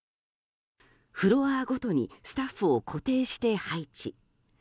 フロアごとにスタッフを固定して配置。